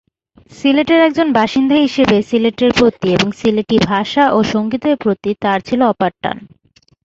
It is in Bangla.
সিলেটের একজন বাসিন্দা হিসেবে সিলেটের প্রতি এবং সিলেটি ভাষা ও সঙ্গীতের প্রতি তার ছিল অপার টান।